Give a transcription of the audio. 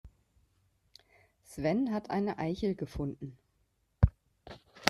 Sven hat eine Eichel gefunden.